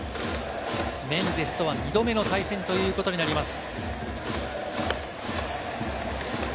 メンデスとは２度目の対戦ということになります。